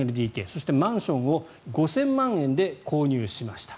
そしてマンションを５０００万円で購入しました。